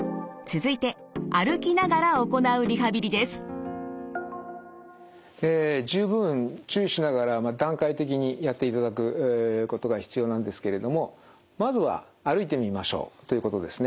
続いて十分注意しながら段階的にやっていただくことが必要なんですけれどもまずは歩いてみましょうということですね。